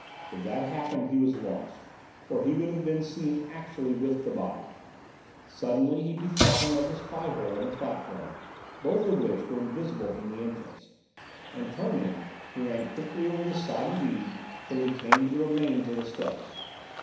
If that happened, he was lost, for he would have been seen actually with the body. Suddenly he bethought him of the spy hole and the platform, both of which were invisible from the entrance; and turning, he ran quickly over the sodden weed till he came to the remains of the steps.